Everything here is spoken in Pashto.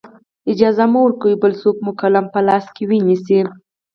اجازه مه ورکوئ بل څوک مو قلم په لاس کې ونیسي.